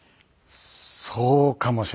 そうかもしれません。